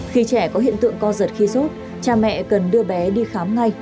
khi trẻ có hiện tượng co giật khi sốt cha mẹ cần đưa bé đi khám ngay